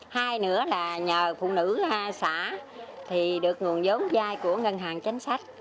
hai nữa là nhờ phụ nữ xã được nguồn giống dai của ngân hàng tránh sách